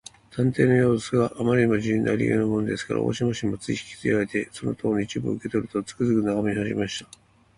探偵のようすが、あまり自信ありげだものですから、大鳥氏もつい引きいれられて、その塔の一部分を受けとると、つくづくとながめはじめました。